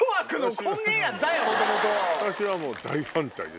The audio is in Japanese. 私はもう大反対です。